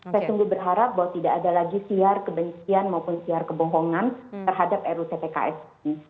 saya sungguh berharap bahwa tidak ada lagi siar kebencian maupun siar kebohongan terhadap rutpks ini